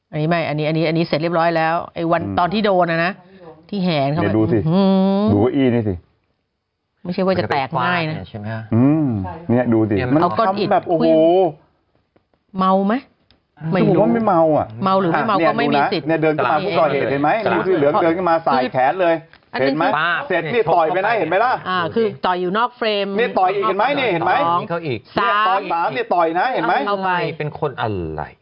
อันนี้ไม่อันนี้อันนี้อันนี้เสร็จเรียบร้อยแล้วไอวันตอนที่โดนอ่ะนะที่แหงเขามาดูสิหือดูอีนี่สิไม่ใช่ว่าจะแตกง่ายน่ะใช่ไหมฮะอืมเนี่ยดูสิมันคำแบบโอ้โฮเมาไหมไม่รู้ว่าไม่เมาอ่ะเมาหรือไม่เมาก็ไม่มีสิทธิ์เนี่ยเดินขึ้นมาคุณก่อนเห็นไหมนี่คือเหลืองเดินขึ้นมาสายแขนเลยเห็นไหมเสร็จนี่ต่อย